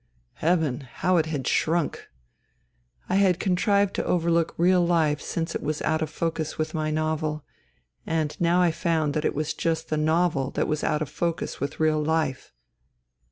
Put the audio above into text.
Heaven ! How it had shrunk. I had contrived to overlook real life since it was out of focus with my novel, and now I found that it was just the novel that was out of focus with real life.